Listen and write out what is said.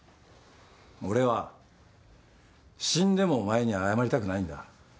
俺は死んでもお前に謝りたくないんだ。